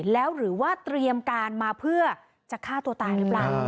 แล้วหรือว่าเตรียมการมาเพื่อจะฆ่าตัวตายหรือเปล่า